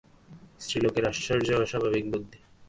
স্ত্রীলোকের আশ্চর্য স্বাভাবিক বুদ্ধি!